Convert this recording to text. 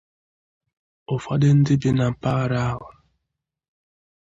ụfọdụ ndị bi na mpaghara ahụ